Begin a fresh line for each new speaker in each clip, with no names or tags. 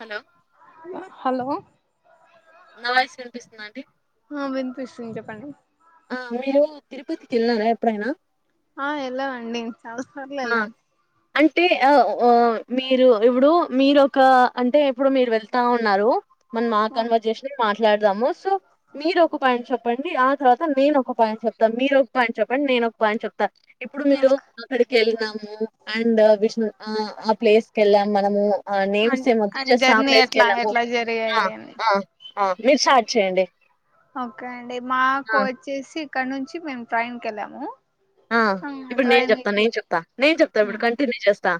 Hello
hello
న voice వినిపిస్తుంద అండి
ఆ వినిపిస్తుంది చెప్పడి
ఆ మీరు తిరుపతికి వెలినారా ఎప్పుడైనా
ఆ ఎలా అండి చలస్తార్లే
ఆ
ఎలాము
అంటే మీరు ఇప్పుడు మీరు ఒక అంటే ఇప్పుడు మీరు వెళ్తా ఉన్నారు మనం ఆ కన్వర్ జేసన్ మాట్లాడదాము సో మీరు ఒక పాయింట్ చెప్పండి ఆ తర్వాత నేను ఒక పాయింట్ చెప్తాను మీరు ఒక పాయింట్ చెప్పండి నేను ఒక పాయింట్ చెప్తాను ఇప్పుడు మీరు
ఓకే
అక్కడికి వెళ్ళాము అండ్ విష్ణు ఆ ప్లేస్ కి వెళ్ళాం మనము ఆ నేమ్స్ ఏమద్దు
అండ్
జస్ట్ ఆ
జర్నీ
ప్లేస్ కి
ఎట్లా
వెళ్ళాము
ఎట్లా జరిగాయి
ఆ
అని
ఆ ఆ మీరు స్టార్ట్ చేయండి
ఓకే అండి మాకు
ఆ
వచ్చేసి ఇక్కడ నుంచి మేము ట్రైన్ కి వెళ్ళాము
ఆ ఇప్పుడు నేను
ట్రైన్
చెప్తా
ఎక్కి
నేను చెప్తా నేను చెప్తా ఇప్పుడు కంటిన్యూ చేస్తా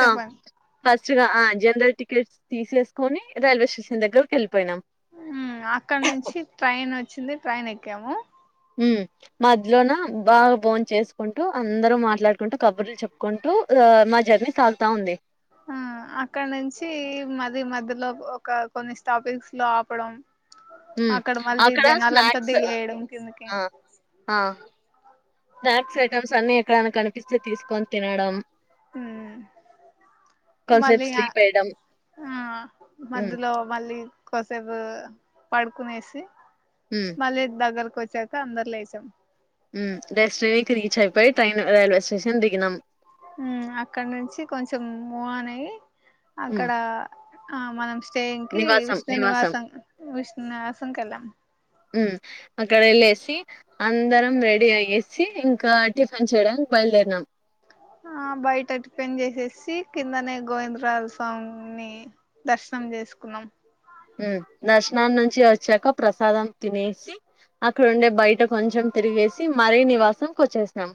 ఆ ఫస్ట్ గా ఆ జనరల్ టికెట్స్ తీసేసుకొని రైల్వే స్టేషన్ దగ్గరకి వెళ్ళిపోయినాం
అక్కడ నుంచి ట్రైన్ వచ్చింది ట్రైన్ ఎక్కాము
ఉ మధ్యలోన బాగ బోన్ చేసుకుంటూ అందరూ మాట్లాడుకుంటూ కబుర్లు చెప్పుకుంటూ మా జర్నీ సాగుతా ఉంది
అక్కడ నుంచి మది మధ్యలో ఒక కొన్ని స్టాపిక్స్ లో ఆపడం మళ్ళీ
అక్కడ
జనాలంతా
స్నాక్స్
దిగేయడం కిందకి
ఆ ఆ స్నాక్స్ ఐటెమ్స్ అన్ని ఎక్కడైనా కనిపిస్తే తీసుకొని తినడం
హ్
కొంతసేపు
మళ్ళీ అ
స్లీప్ వేయడం
ఆ
ఉమ్
మధ్యలో మళ్ళీ కొదిసేపు పడుకునేసి
ఉమ్
మళ్ళీ దగ్గర కోచ్చాక అందరులేసాం
డెస్టినీకి రీచ్ అయిపోయి ట్రైన్ రైల్వే స్టేషన్ దిగినాం
అక్కడ నుంచి కొంచెం మూహన్ అయి
ఉమ్
అక్కడ ఆ మనం స్టేయంగ్ కి విష్ణు నివాసం విష్ణు నివాసం కి వెళ్ళాం
అక్కడ వెళ్ళసి అందరం రెడీ అయ్యేసి ఇంకా టిఫిన్ చేయడానికి బ యలు దేరినం
ఆ బయట టిఫిన్ చేసేసి కిందనే గోవిందరాజ స్వామి ని దర్శనం చేసుకున్నాం
దర్శన నుంచి వచ్చాక ప్రసాదం తినేసి అక్కడుండే బయట కొంచెం తిరిగేసి, మరీ నివాసం కోచ్చేస్నాం.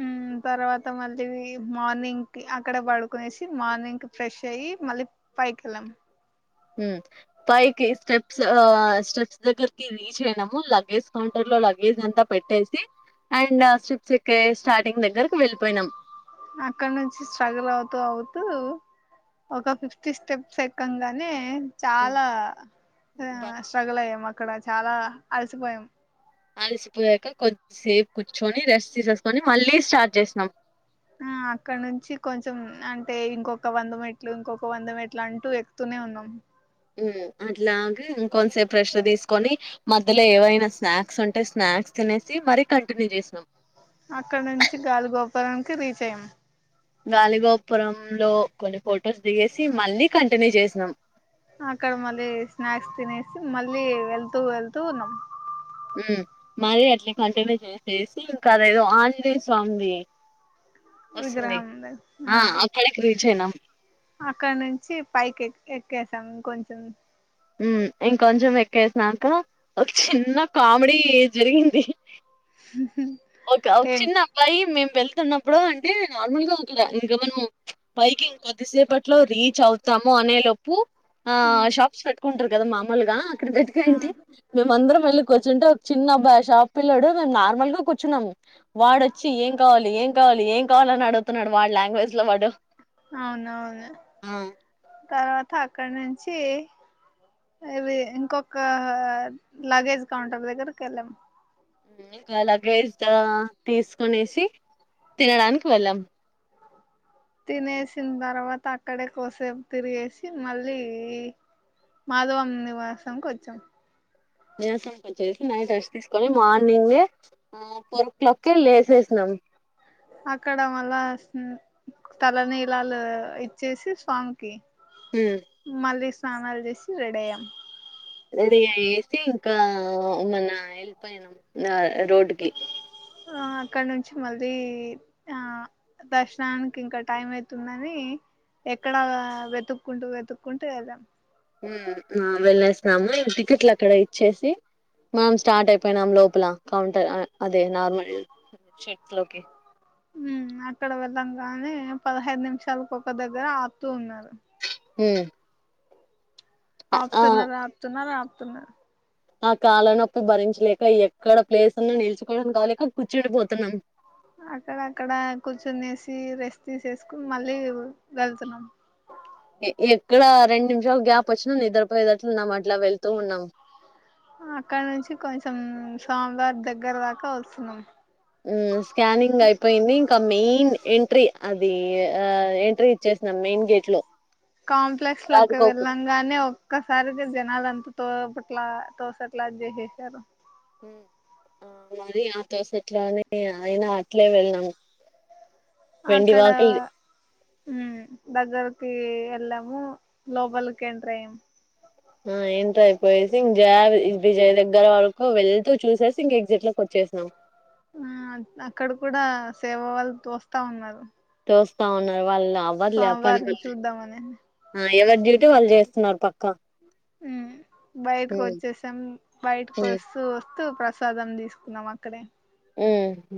ఉమ్ తర్వాత మళ్ళీ మార్నింగ్కి, అక్కడ పడుకునేసి, మార్నింగ్ ఫ్రెష్ అయ్యి మళ్ళీ పైకేలం
ఉమ్ పైకి స్టెప్స్ ఆ స్టెప్స్ దగ్గరకి రీచ్ అయ్నాము, లగేజ్ కౌంటర్ లో లగేజ్ అంత పెట్టేసి. అండ్ స్టిప్స్
అక్కడ నుంచి స్ట్రగుల్ అవుతూ అవుతూ ఒక ఫిఫ్టీ స్టెప్స్ ఎక్కంగానే. చాలా ఆ స్ట్రగుల్ అయ్యాం. అక్కడ చాలా అల్సిపోయాం.
అలసిపోయాక కొద్సేపు కూర్చుొని రెస్ట్ తీసేసుకొని మళ్ళీ స్టార్ట్ చేస్నాం. [inaudible]
ఆ అక్కడ నుంచి కొంచెం అంటే. ఇంకొక వంద మెట్లు, ఇంకొక వంద మెట్లు అంటూ ఎక్కుతూనే ఉన్నాం.
ఉమ్ అట్లాగే ఇంకొంచ్సేపు రెస్ట్ తీసుకొని, మధ్యలో ఏవైనా స్నాక్స్ ఉంటే స్నాక్ క్స్ తినేసి మరీ కంటిన్యూ చేస్నాం.
ఆక్కనుంచి గాలిగోపురానికి రీచ్ అయ్యాం.
గాలిగోపురం లో కొన్ని ఫొటోస్ దిగేసి, మళ్ళీ కంటిన్యూ చేస్నాం.
అక్కడ మళ్ళీ స్నాక్స్ తినేసి, మళ్ళీ వెళ్తూ వెళ్తూ ఉన్నాం.
ఉమ్ మరి అట్లే కంటిన్యూ చేసేసి, ఇంకా అదేదో ఆంజనేయ్ స్వామ్ది. వస్తుంది.
విగ్రహం దగ్గర.
ఆ అక్కడక్ రీచ్ అయినాం.
అక్కడ నుంచి పైకి ఎక్ ఎక్కేసాం. ఇం కొంచెం
ఉమ్ ఇంకొంచెం ఎక్కేస్నాక, ఒక్ చిన్న కామెడీ జరిగింది. ఓక ఓక్ చిన్న
ఏంటి
అబ్బాయి మేం వేల్ తున్నప్పుడు అంటే. నార్మల్ గా ఒకడా ఇంక మనం పైకింకొద్దిసేపట్లో రీచ్ అవుతాము. అనే లోపు ఆ షాప్స్ పెట్టుకుంట్రు గదా. మామూల్గా అక్కడ
ఆ
విత్కంటే మేమందరం వెళ్ళి కూర్చుంటే, ఒక్ చిన్నబాయ్ ఆ షాప్ పిల్లోడు నేన్ నార్మల్ గా క్ ర్చ్చునమ్ము వాడొచ్చి ఏం కావాలి, ఏం కావాలి, ఏం కావాలని అడుత్ తూన్నాడు. వాడ్ లాంగ్వేజ్ లో వాడు
త అక్కనుంచి ఇవి ఇంకొక ఆ లగేజ్ కౌంటర్ దగ్గర్ కెళ్ళాం.
ఉమ్ ఇంకా లగేజ్ దా తీసుకొనేసి, తినడానికి వెళ్ళాం.
తినేసిన తర్వాత అక్కడే కోసేపు తిరిగేసి మళ్ళీ మాధవం నివాసంకోచ్చాం.
నివాసంకొచ్చేసి నైట్రేస్ట్ తీసుకొని, మార్నింగే ఫోరో క్లాకే లేసేస్నాం. ఉహ్
అక్కడ మళ్ళా స్న్ తలనీలాలు ఇచ్చేసి స్వామికి.
హ్మ్.
మళ్ళీ స్నానాలు చేసి రెడయ్యాం.
రెడీ అయ్యేసి ఇంకా మన ఎళ్పోయినాం. నా రోడ్కి
ఆ అక్కడ నుంచి మళ్ళీ, ఆ దర్శనానికి ఇంకా టైం అయితుందని. ఎక్కడా వెతుక్కుంటూ, వెతుక్కుంటూ ఎల్లాం.
ఉమ్ ఆ వెళ్లేస్నము, ఈ టికెట్లు అక్కడ ఇచ్చేసి. మనం స్టార్ట్ అయిపోయినాం లోపల. కౌంటర్ ఆ అదే నార్మల్ షేట్లోకి
ఉమ్ అక్కడ వెళ్ళంగానే. పదహైదు నిమిషాలకు ఒక దగ్గర ఆప్తూ ఉన్నారు.
ఉమ్
ఆప్తున్నార్ ఆప్తున్నార్ ఆప్తున్నర్
ఆ కాల నొప్పి భరించలేక, ఎక్కడ ప్లేస్ ఉన్నా నిల్చుకోవడానికి గాలేక, కూర్చుడిపోతున్నాం.
అక్కడక్కడ కూర్చునేసి, రెస్ట్ తీసేసుకున్ మళ్ళీ వెళ్తున్నాం.
ఏ ఎక్కడ రెండు నిమిషాలు గ్యాప్ వచ్చినా, నిద్రపోయేదట్లునామాట్
అక్కనుంచి కొంచెం స్వామ్వారి దగ్గర దాకా వస్తున్నాం.
ఉమ్ స్కానింగ్ అయిపోయింది. ఇంకా మెయిన్ ఎన్ అది ఎంట్రీ ఇచ్చేస్తాణం మెయిన్ గేట్ లో
కాంప్లెక్స్ లోకి
రాజగోపురం
వెళ్ళంగానే ఒక్కసారిగా జనాలు అంత తో పట్లా తోసట్లా అది చేససారు
ఆ మరి ఆ టోస్ట్లాని అయినా అట్లే వెళనాం
అక్కడ ఉ దగ్గరకి ఎలము లోపాలక్ ఏంట్రాయం
ఆ ఎంత అయిపోయిసింగ్ గేద్ ఇదిచేయడం దగ్గర వరకు వెళ్తూ చూసేసి ఇంక ఎగ్జిక్ట్ లోకి వచ్చేసాం
ఆ అక్కడ కూడా సేవ వాళ్ళు తోస్తా ఉన్నారు
చూస్తా ఉన్నారు వాళ్ళు ఎవర్లేపోయిన
స్వామివారిని చూద్దామని
ఎవరు డ్యూటీ వాళ్ళు చేస్తున్నారు పక్క
మ్మ్ బయటకు వచ్చేసాం బయటకు
ఉమ్
వస్తూ వస్తూ ప్రసాదం తీసుకున్నాం అక్కడే
ఉ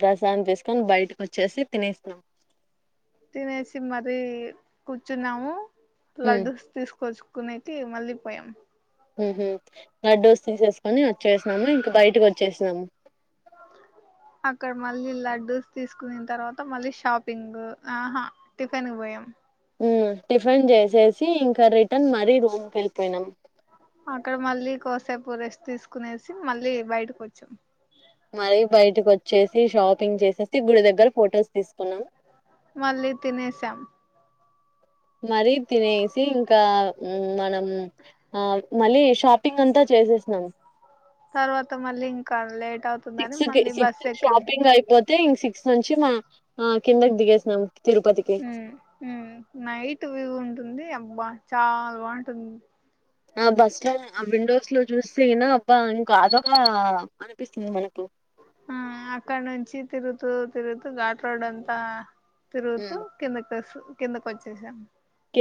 దర్శనం చేయకుని బయటకి వచ్చేసి తినేసినం
తినేసి మరీ కూర్చున్నాము
ఉమ్
లడ్డుస్ తీసుకొచ్చు కునైతే మళ్ళీపోయాం
లడ్డుస్ తీసేసుకొని వచ్చేసినాము ఇంకా బయటకి వచ్చేసినాము
అక్కడ మళ్ళీ లడ్డూస్ తీసుకున తర్వాత మళ్ళీ షాపింగ్ ఆహా టిఫిన్ కీ పోయాం
టిఫిన్ చేసేసి ఇంకా రిటర్న్ మరీ రూమ్ కీ వెళ్ళిపోయినాం
అక్కడ మళ్ళీ కోసేపు రెస్ట్ తీసుకునేసి మళ్ళీ బయటకు వచ్చాం
మరీ బయటకు వచ్చేసి షాపింగ్ చేసేసి గుడి దగ్గర ఫొటోస్ తీసుకున్నాం
మళ్ళీ తినేసాం
మరీ తినేసి ఇంకా మనం ఆ మళ్ళీ షాపింగ్ అంతా చేసేసినం
తర్వాత మల్లికార్లే
సిక్స్ కి సిక్స్కీ షాపింగ్ అయిపోతే ఇం సిక్స్ నుంచి మా ఆ కిందకి దిగేసినాం తిరుపతికి
నైట్ వ్యూ ఉంటుంది అబ్బా చాలా బాగుంటుంది
ఆ బస్ లో ఆ విండోస్ లో చూస్తనా అబ్బా ఇంకా అదోగా అనిపిస్తుంది మనకు
ఆ అక్కడ నుంచి తిరుగుతూ తిరుగుతూ ఘాట్ రోడ్ అంతా తిరుగుతూ
ఉమ్
కిందక వ కిందకి వచ్చేసాం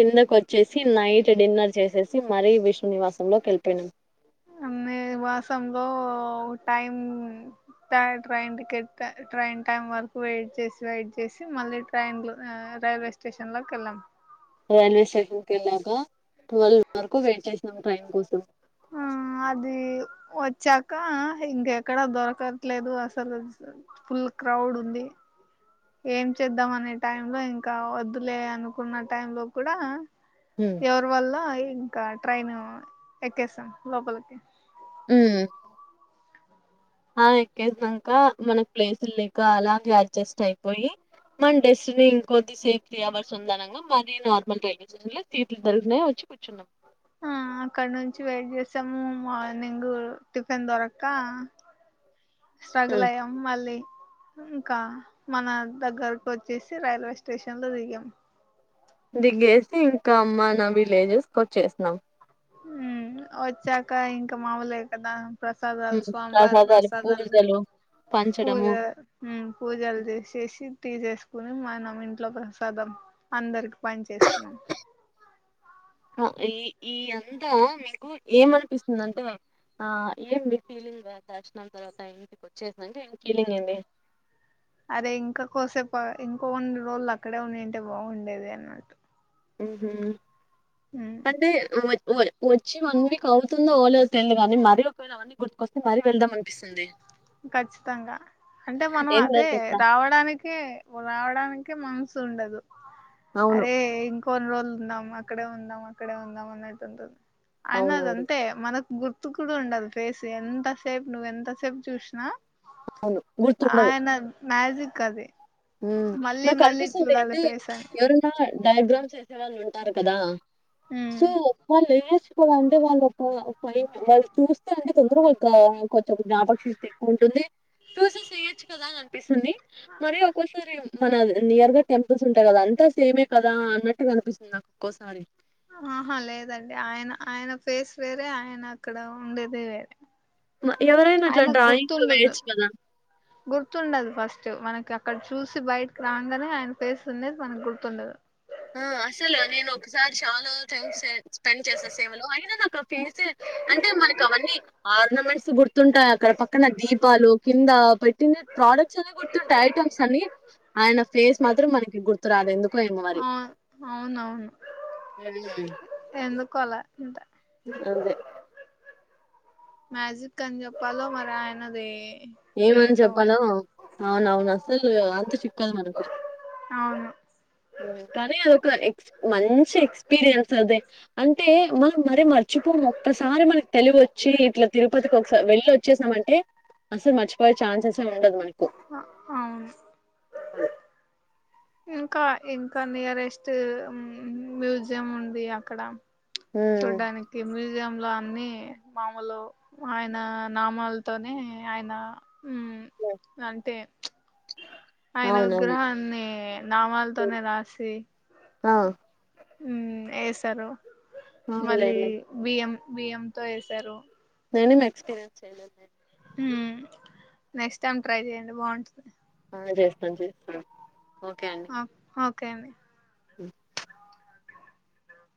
కిందక వచ్చేసి లైట్ డిన్నర్ చేసేసి మరీ విష్ణు నివాసంలోకి వెళ్ళిపోయినాం
అన్నే వసంలో time train ticket train time వరకు వెయిట్ చేసి వెయిట్ చేసి మళ్ళీ ట్రైన్ లో ఆ రైల్వే స్టేషన్ లోక్కలం
రైల్వేస్టేషన్ కె వెళ్ళాక టువెల్వ్ వరకు వెయిట్ చేసి
ఆ అది వ చక్క ఇంకెక్కడా దొరకట్లేదు అసలు ఫుల్ క్రౌడ్ ఉంది ఏం చేద్దాం అనే టై లో ఇంకా వద్దులే అనుకున్న టై లో కూడా
ఉమ్
ఎవరి వల్ల ఇంకా ట్రైన్ ఎక్కేసాం లోపలికి
అమ్మ్ ఆ ఎక్కేసాక మనకు ప్లేసులు లేక అలాగే అడ్జస్ట్ అయిపోయి మన డెస్టినీ ఇంకద్దిసేపు త్రీ అవర్స్ ఉందనంగా మరి నార్మల్ రైల్వే స్టేషన్ లో సీట్లు దొరికినయ్ వచ్చి కూర్చున్నాం
ఆ అక్కడ నుంచి వెయిట్ సము మార్నింగ్ టిఫిన్ దొరక్క స్ట్రగ్గల్
హ్మ్.
అయ్యాం మళ్ళీ ఇంకా మన దగ్గరకు వచ్చేసి రైల్వే స్టేషన్ లో దిగాం
దిగేసి ఇంకా మన విలేజెస్కి వచ్చేసినాం
ఉ వచ్చాక ఇంకా మామోలే కదా ప్రసాదాలు స్వామీవారి ప్రసాదాలు పూజ
పంచడము
హ్మ్ పూజలు చేసేసి తీసేసు ని మనం ఇంట్లో ప్రసాదం అందరకు పని చేసుకున్నాం
ఆ! ఈ ఈ అంతా మీకు ఏమనిపిస్తుందింటే ఆ ఏంది ఫీలింగ్ దార్శనం తర్వాత ఇంటికి వచ్చేసాంటే ఫీలింగ్ ఏంది
అరే ఇంకా కోసేపు ఇంకో కొన్ని రోజులు అక్కడే ఉన్నింటే బాగుండేది అన్నట్టు
ఉ హ్మ్
ఉమ్
అంటే వ వ వచ్చి వన్ వీక్ అవుతుందో ఓలే తెలిదుగానీ మరీ ఒకవేళ అవన్నీ గుర్తుకొస్తే మళ్ళీ వెళ్దాం అనిపిస్తుంది
ఖచ్చితంగా అంటే మనం
ఏం
అదే
లేదట్లా.
రావడానికె రావడానికె మనసు ఉండదు
అవును.
అరే ఇంకొన్ని రోజులు అక్కడే ఉందాం అక్కడే ఉందాం అన్నట్టు ఉంటుంది అయన అద
అవునవును.
అంతే మనకు గుర్తు కూడా ఉండదు ఫేస్ ఎంతసేపు నువ్వ ఎంతసేపు చూసినా
అవును గుర్తుండదు
ఆయన మ్యాజిక్ అది మళ్ళీ
నాకు
మళ్ళీ
కనిపిస్తుంది
చూడాలి
అంటే
ఫేస్ అని
ఎవరన్నా డయాగ్రామ్స్ వేసేవాల్ ఉంటారు కదా
ఉమ్
సో వాళ్లు ఏస్ అంటే వాళ్ళొ ఒక ఫైన్ వాళ్ళు చూస్తే అంటే తొందరగా వాళ్ళ కొంచం జ్ఞాపకశక్తి ఎక్కువ ఉంటుంది చూస చెయ్యొచ్చు కదా అని అనిపిస్తుంది మరి ఒక ఒక్కోసారి మన నియర్ గా టెంపుల్స్ ఉంటాయి కదా అంతా సేమే కదా అన్నట్టు కనిపిస్తుంది నాకు ఒక్కోసారి
ఆహా లేదండి ఆయన ఆయన ఫేస్ వేరే ఆయన అక్కడ ఉండేది వేరే
ఎవరైనా అట్లా
ఆయనకు
డ్రాయింగ్
గుర్తుండదు
వేయచ్చు కదా
గుర్తుండదు ఫస్ట్ మనకి అక్కడ చూసి బయటకి రాగానే ఆయన ఫేస్ ఉన్నది మనకి గుర్తుండదు
ఆ అసలు నేను ఒకసారి చాలా టైం స్పెండ్ చేసా సేవలో అయినా నాకు ఆ ఫేసే అంటే మనకి అవన్నీ ఆర్నమెంట్స్ గుర్తుంటాయి అక్కడ పక్కన దీపాలు కింద పెట్టిన ప్రోడక్ట్స్ అని గుర్తుంటాయి ఐటెమ్స్ అన్ని ఆయన ఫేస్ మాత్రం మనకి గుర్తురాదు ఎందుకో ఏ మరి
అవు అవునవును
హ్మ్.
ఎందుకో అలా ఇంట
అదే
మ్యాజిక్ అని చెప్పాలో మరి ఆయనది
ఏమని
ఏంటో
చెప్పాలో
మరి
అవున అవును అసలు అంతుచిక్క దు మనకు
అవును
కానీ అ ఎ మంచి ఎక్స్పీరియన్స్ అది అంటే మనం మర మర్చిపో ఒక్కసారి మనకి తెలుగు వచ్చి ఇట్లా తిరుపతికి ఒకసారి వెళ్ళి వచ్చేసామంటే అసలు మర్చిపోయే ఛాన్సెసే ఉండదు మనకి
అవును
[unintelligible]
ఇంకా ఇంకా నియరెస్ట్ మ్యూజియం ఉంది అక్కడ
ఉమ్
చూడ్డానికి బిల్ లో అన్ని మామూలు ఆయన నామాలతోనే ఆయన ఉమ్ అంతే ఆయన
అవునవును
విగ్రహాన్ని నామాలతోనే రాసి
ఆ
ఉ వేశారు మళ్ళీ
అవునులేండి
బియ్యం బియ్యం తో వేశారు
నేనే ఎక్స్పీరియన్స్ చేయలేదు లెండి
ఉమ్ నెక్స్ట్ టైమ్ ట్రై చెయండి బాగుంటుది
ఆ చేస్తాను చేస్తాం ఓకే అండి
ఒకేండి
ఉమ్